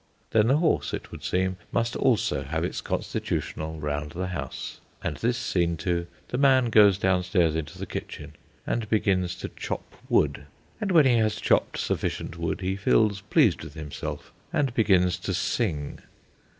Then the horse, it would seem, must also have its constitutional round the house; and this seen to, the man goes downstairs into the kitchen and begins to chop wood, and when he has chopped sufficient wood he feels pleased with himself and begins to sing.